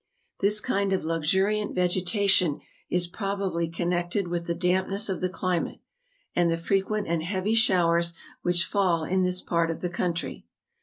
This kind of luxuriant vegetation is pro¬ bably connected with the dampness of the climate, and the frequent and heavy showers which fall in this part of the country.